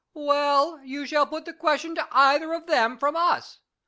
Well, you shall put the question to either of them from us.